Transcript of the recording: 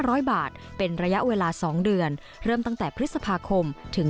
ร้อยบาทเป็นระยะเวลาสองเดือนเริ่มตั้งแต่พฤษภาคมถึง